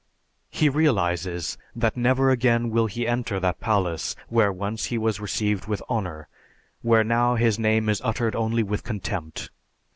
He realizes that never again will he enter that palace where once he was received with honor, where now his name is uttered only with contempt.